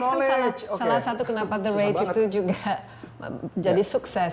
the rage kan salah satu kenapa the rage itu juga jadi sukses